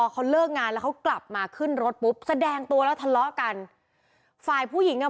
เขาเลิกงานแล้วเขากลับมาขึ้นรถปุ๊บแสดงตัวแล้วทะเลาะกันฝ่ายผู้หญิงอ่ะ